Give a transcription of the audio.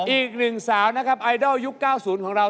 อีกหนึ่งสาวนะครับไอดอลยุค๙๐ของเรา